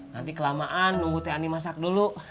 nanti kelamaan nunggu teh ani masak dulu